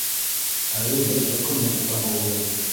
Әле бер документ табылды.